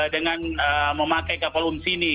dengan memakai kapal unsini